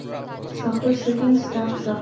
সকল shipping staff সহ।